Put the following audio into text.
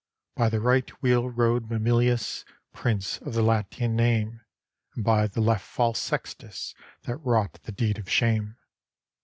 By the right wheel rode Mamilius, Prince of the Latian name; And by the left false Sextus, That wrought the deed of shame.